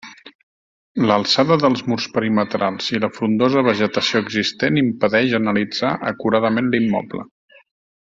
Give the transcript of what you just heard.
L'alçada dels murs perimetrals i la frondosa vegetació existent impedeix analitzar acuradament l'immoble.